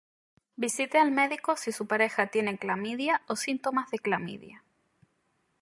Visite al médico si su pareja tiene clamidia o síntomas de clamidia.